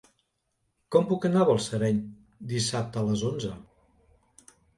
Com puc anar a Balsareny dissabte a les onze?